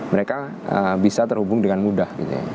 mereka bisa terhubung dengan mudah gitu ya